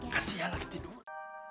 kasian lagi tidur